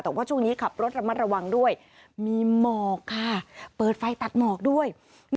แต่ว่าช่วงนี้ขับรถระมัดระวังด้วยมีหมอกค่ะเปิดไฟตัดหมอกด้วย